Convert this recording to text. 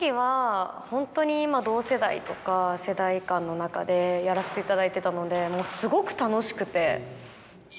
ホントに今同世代とか世代間の中でやらせていただいてたのですごく楽しくて。